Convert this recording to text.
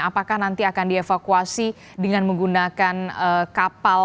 apakah nanti akan dievakuasi dengan menggunakan kapal